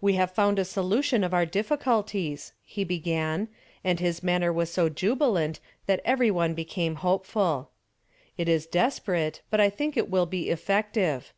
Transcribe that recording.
"We have found a solution of our difficulties," he began, and his manner was so jubilant that every one became hopeful. "It is desperate, but I think it will be effective.